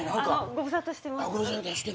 ご無沙汰してます。